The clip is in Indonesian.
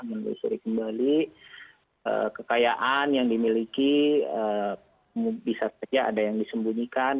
menelusuri kembali kekayaan yang dimiliki bisa saja ada yang disembunyikan